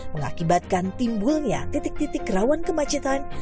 mengakibatkan timbulnya titik titik rawan kemacetan